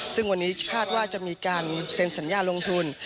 ซึ่งวันนี้คาดว่าจะมีการเซ็นสัญญาลงทุน